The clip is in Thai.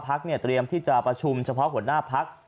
เตรียมที่จะประชุมเฉพาะหัวหน้าพัก